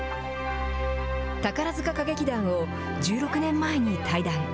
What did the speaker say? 宝塚歌劇団を１６年前に退団。